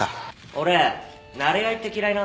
俺なれ合いって嫌いなんで